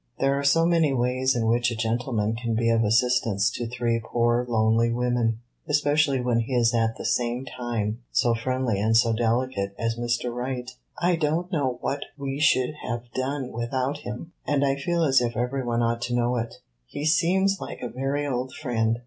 "There are so many ways in which a gentleman can be of assistance to three poor lonely women, especially when he is at the same time so friendly and so delicate as Mr. Wright. I don't know what we should have done without him, and I feel as if every one ought to know it. He seems like a very old friend.